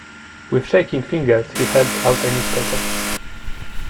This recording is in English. With shaking fingers he held out a newspaper.